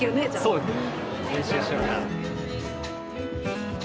そうですね。